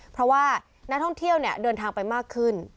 เพราะว่านักท่องเที่ยวเดินทางไปมากขึ้น